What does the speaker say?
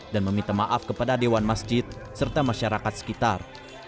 dan meminta maaf kepada dewan masjid serta masyarakat sekitar